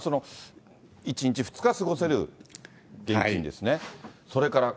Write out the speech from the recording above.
１日、２日過ごせる現金ですね。